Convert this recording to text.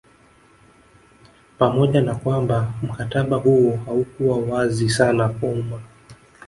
Pamoja na kwamba mkataba huo haukuwa wazi sana kwa umma